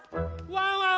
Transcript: ・ワンワン